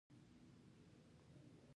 څنګه کولی شم لویه شپه وپېژنم